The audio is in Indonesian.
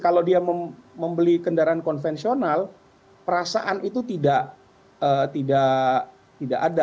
kalau dia membeli kendaraan konvensional perasaan itu tidak ada